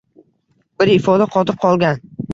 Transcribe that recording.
Bir ifoda qotib qolgan.